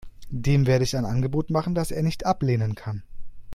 Dem werde ich ein Angebot machen, das er nicht ablehnen kann.